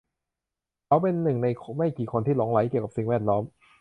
เขาเป็นหนึ่งในไม่กี่คนที่หลงใหลเกี่ยวกับสิ่งแวดล้อม